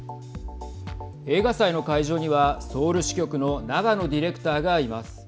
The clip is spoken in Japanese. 映画祭の会場にはソウル支局の長野ディレクターがいます。